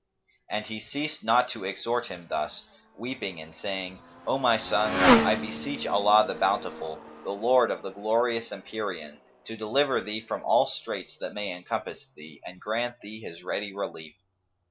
And he ceased not to exhort him thus, weeping and saying, "O my son, I beseech Allah the Bountiful, the Lord of the glorious Empyrean[FN#260] to deliver thee from all straits that may encompass thee and grant thee His ready relief!"